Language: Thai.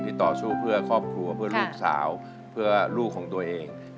ต่อสู้เพื่อครอบครัวเพื่อลูกสาวเพื่อลูกของตัวเอง